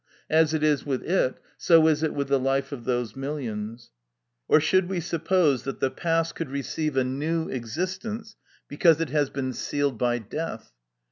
As it is with it, so is it with the life of those millions. Or should we suppose that the past could receive a new existence because it has been sealed by death?